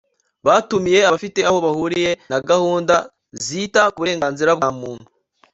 batumiye abafite aho bahuriye na gahunda zita ku burenganzira bwa muntu